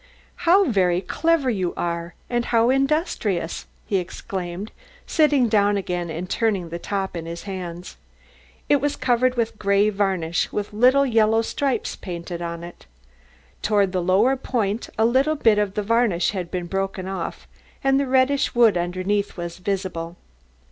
"How very clever you are, and how industrious," he exclaimed, sitting down again and turning the top in his hands. It was covered with grey varnish with tiny little yellow stripes painted on it. Towards the lower point a little bit of the varnish had been broken off and the reddish wood underneath was visible.